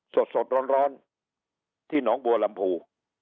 สดร้อนที่หนองบัวลำพู